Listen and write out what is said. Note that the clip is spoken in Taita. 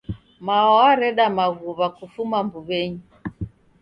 Mao wareda maghuw'a kufuma mbuwenyi